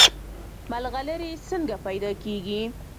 ملغلرې څنګه پیدا کیږي؟